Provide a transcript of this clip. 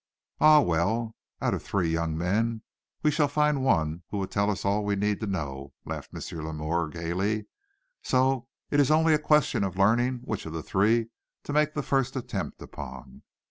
"Ah, well, out of three young men, we shall find one who will tell us all we need to know," laughed M. Lemaire, gayly. "So it is only a question of learning which of the three to make the first attempt upon."